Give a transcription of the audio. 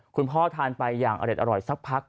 คุณพ่อทานไปอย่างอร่อยสักพัก